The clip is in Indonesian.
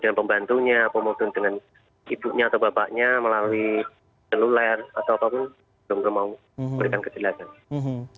dengan pembantunya pemotongan ibunya atau bapaknya melalui seluler atau apapun belum mau